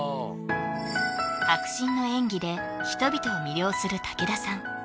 迫真の演技で人々を魅了する武田さん